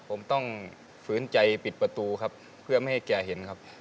ผมต้องฝืนใจปิดประตูครับเพื่อไม่ให้แกเห็นครับ